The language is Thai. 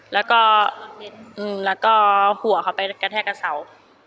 แล้วก็หัวเขาไปกระแทกกับเสา